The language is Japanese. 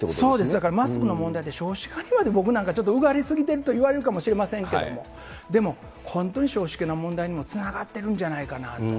だからマスクの問題って、少子化にまで僕なんかちょっとうがり過ぎてるといわれるかもしれませんけれども、でも本当に少子化の問題にもつながってるんじゃないかなと。